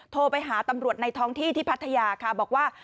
โทรไปหาตำรวจในท้องที่ที่พัทยาค่ะบอกว่า